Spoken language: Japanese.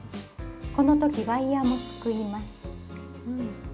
この時ワイヤーもすくいます。